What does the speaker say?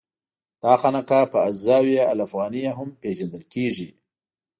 دا خانقاه په الزاویة الافغانیه هم پېژندل کېږي.